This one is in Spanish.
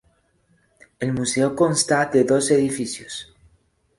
El museo consta de dos edificios.